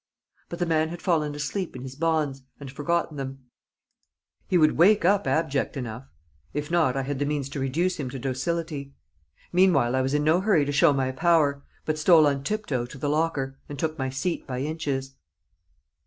But the man had fallen asleep in his bonds, and forgotten them; he would wake up abject enough; if not, I had the means to reduce him to docility. Meanwhile, I was in no hurry to show my power, but stole on tiptoe to the locker, and took my seat by inches.